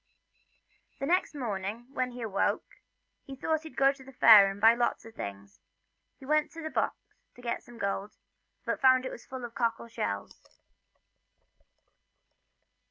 Next morning, when he awoke, he thought he'd go to the fair and buy a lot of things, and he went to the box to get some of the gold, but found it full of cockle shells.